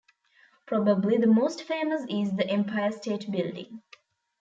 Probably the most famous is the Empire State Building.